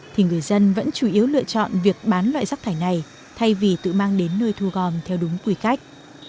thì người dân vẫn chủ yếu lựa chọn việc bán loại rắc thải này thay vì tự mang đến nơi thu gom theo đúng quy cách